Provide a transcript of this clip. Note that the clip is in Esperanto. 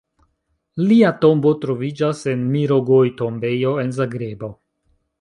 Lia tombo troviĝas en Mirogoj-tombejo en Zagrebo.